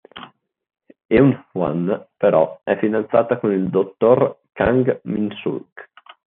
Eun-hwan, però, è fidanzata con il dottor Kang Min-suk.